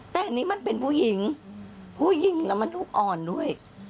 แต่อันนี้มันเป็นผู้หญิงผู้หญิงแล้วมันลูกอ่อนด้วย